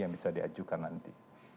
yang bisa diajukan nanti